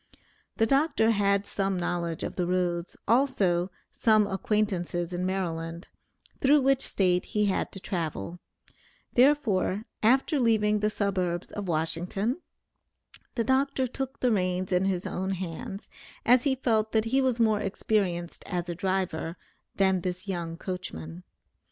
The doctor had some knowledge of the roads, also some acquaintances in Maryland, through which State he had to travel; therefore, after leaving the suburbs of Washington, the doctor took the reins in his own hands, as he felt that he was more experienced as a driver than his young coachman.